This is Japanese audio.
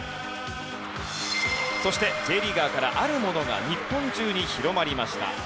そしてＪリーガーからあるものが日本中に広まりました。